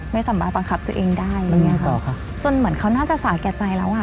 ไม่สามารถบังคับตัวเองได้อะไรอย่างเงี้ค่ะจนเหมือนเขาน่าจะสาแก่ใจแล้วอ่ะ